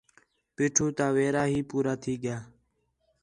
پیٹھو تا ویرا ہی پورا تھی ڳِیا